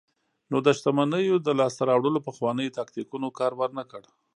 نو د شتمنیو د لاسته راوړلو پخوانیو تاکتیکونو کار ورنکړ.